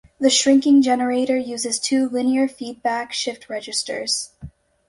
The shrinking generator uses two linear feedback shift registers.